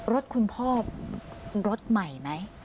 รถคุณพ่อรถใหม่ไหม